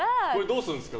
どうするですか？